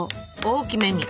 大きめに。